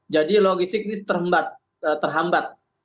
jadi logistik ini terhambat